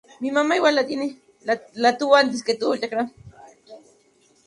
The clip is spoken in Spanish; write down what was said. Es el estadio de Montevideo Wanderers.